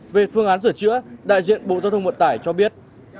về phương án sửa chữa đại diện bộ giao thông vận tải cho biết